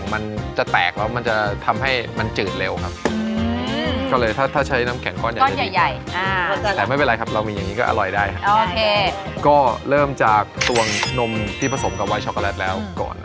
ลองของเขาเอาครับไม้เข้าสีแหข็อโอเคหักก็อย่างแรกนะครับอ่าเสร็จแล้วเหรอ